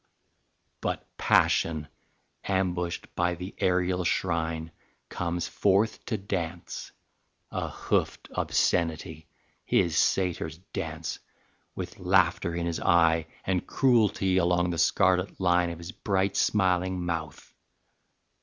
XV. But passion ambushed by the aerial shrine Comes forth to dance, a hoofed obscenity, His satyr's dance, with laughter in his eye, And cruelty along the scarlet line Of his bright smiling mouth.